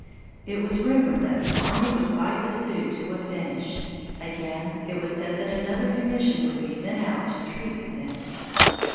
It was rumored that the army would fight the Sioux to a finish; again, it was said that another commission would be sent out to treat with them.